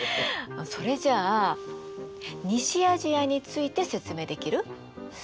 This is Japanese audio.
それじゃあ西アジアについて説明できる？